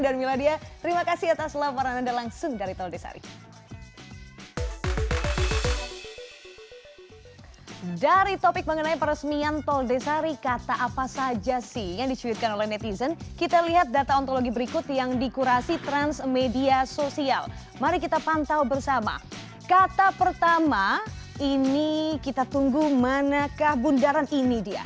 dan mila diani terima kasih atas laporan anda langsung dari tol desari